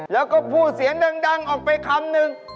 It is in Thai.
แล้วก็พูดเสียงดังออกไปคำนึง